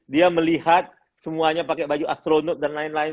dia melihat semuanya pakai baju astronot dan lain lain